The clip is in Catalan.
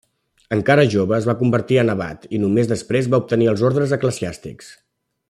Encara jove, es va convertir en abat i només després va obtenir els ordes eclesiàstics.